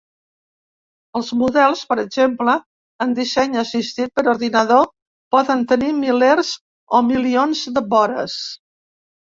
Els models, per exemple, en disseny assistit per ordinador, poden tenir milers o milions de vores.